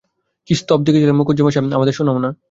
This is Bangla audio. কী স্তব লিখেছিলে মুখুজ্যেমশায়, আমাদের শোনাও-না।